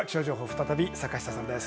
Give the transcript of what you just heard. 再び坂下さんです。